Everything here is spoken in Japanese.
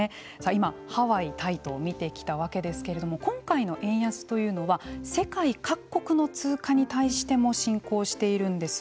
今、ハワイ、タイと見てきたわけですけれども今回の円安というのは世界各国の通貨に対しても進行しているんです。